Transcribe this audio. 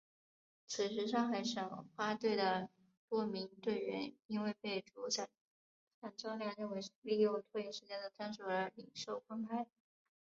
此时上海申花队的多名队员因为被主裁判赵亮认为利用拖延时间的战术而领受黄牌。